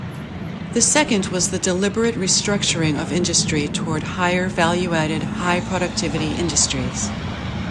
The second was the deliberate restructuring of industry toward higher value-added, high productivity industries.